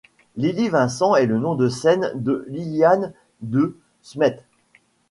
Lily Vincent est le nom de scène de Liliane De Smedt.